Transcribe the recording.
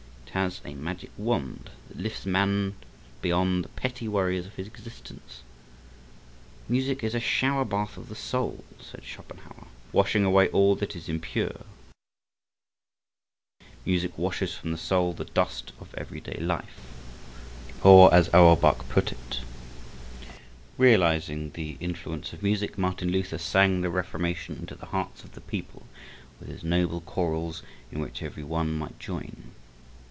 It has a magic wand that lifts man beyond the petty worries of his existence. "Music is a shower bath of the soul," said Schopenhauer, "washing away all that is impure." Or as Auerbach put it: "Music washes from the soul the dust of everyday life." Realizing the influence of music, Martin Luther sang the Reformation into the hearts of the people with his noble chorals in which every one might join.